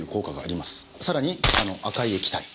さらにこの赤い液体。